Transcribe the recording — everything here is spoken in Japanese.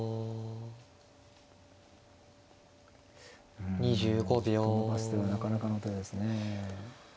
うん伸ばす手はなかなかの手ですね。